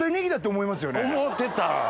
思ってた。